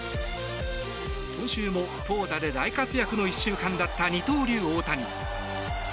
今週も投打で大活躍の１週間だった二刀流・大谷。